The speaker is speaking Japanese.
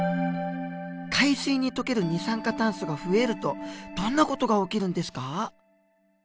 海水に溶ける二酸化炭素が増えるとどんな事が起きるんですか？